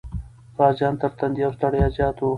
غازيان تر تندې او ستړیا زیات و.